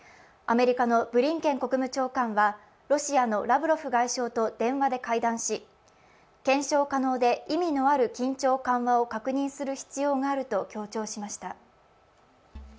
アメリカのブリンケン国務長官はロシアのラブロフ外相と電話で会談し検証可能で意味のある緊張緩和を確認する必要があると強調しました。